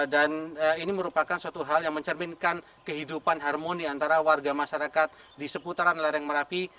dan ini merupakan suatu hal yang mencerminkan kehidupan harmoni antara warga masyarakat di seputaran lereng merapi